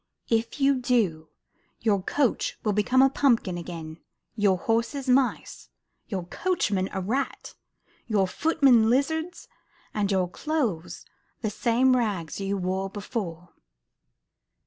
If you do, your coach will become a pumpkin again, your horses mice, your coachman a rat, yoUr footmen lizards, and your clothes the same rags you wore before."